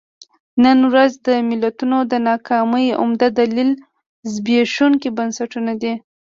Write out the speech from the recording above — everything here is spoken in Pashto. نن ورځ د ملتونو د ناکامۍ عمده دلیل زبېښونکي بنسټونه دي.